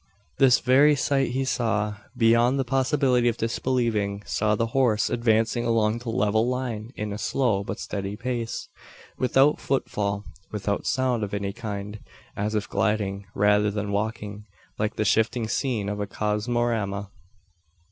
This very sight he saw, beyond the possibility of disbelieving saw the horse advancing along the level line in a slow but steady pace without footfall without sound of any kind as if gliding rather than walking like the shifting scene of a cosmorama!